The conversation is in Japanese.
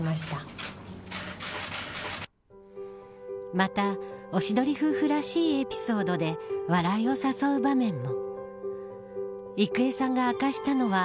また、おしどり夫婦らしいエピソードで笑いを誘う場面も。